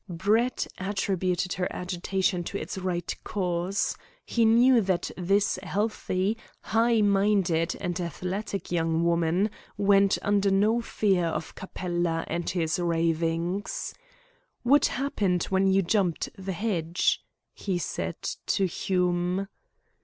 Brett attributed her agitation to its right cause. He knew that this healthy, high minded, and athletic young woman went under no fear of Capella and his ravings. "What happened when you jumped the hedge?" he said to Hume.